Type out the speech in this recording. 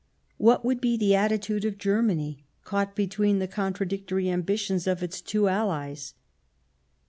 What would be the attitude of Germany, caught between the contradictory ambitions of its two Allies